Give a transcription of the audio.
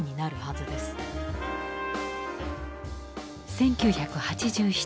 １９８７年。